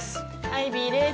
アイビーです。